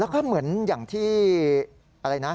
แล้วก็เหมือนอย่างที่เด็กเรือเขาอธิบายมาเหมือนกันคุณ